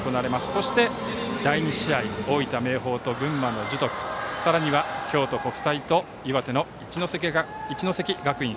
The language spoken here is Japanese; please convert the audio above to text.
そして、第２試合大分・明豊と群馬・樹徳さらには京都国際と岩手の一関学院。